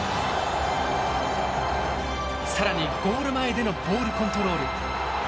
更にゴール前でのボールコントロール。